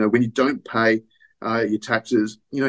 ketika anda tidak membeli uang